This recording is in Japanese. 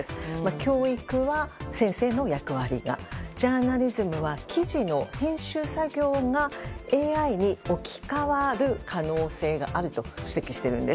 教育は先生の役割がジャーナリズムは記事の編集作業がＡＩに置き換わる可能性があると指摘しているんです。